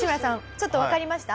ちょっとわかりました？